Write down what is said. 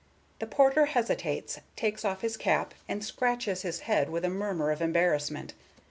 The Porter hesitates, takes off his cap, and scratches his head with a murmur of embarrassment.